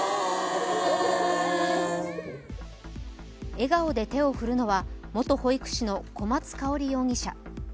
笑顔で手を振るのは元保育士の小松香織容疑者。